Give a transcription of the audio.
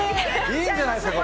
いいんじゃないですか？